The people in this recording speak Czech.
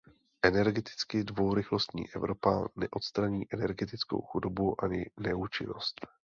Energeticky dvourychlostní Evropa neodstraní energetickou chudobu ani neúčinnost.